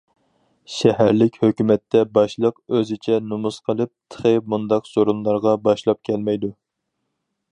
شەھەرلىك ھۆكۈمەتتە باشلىق، ئۆزىچە نومۇس قىلىپ، تېخى مۇنداق سورۇنلارغا باشلاپ كەلمەيدۇ.